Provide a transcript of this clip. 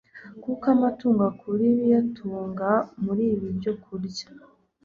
Kuko amatungo akura ibiyatunga muri ibi byokurya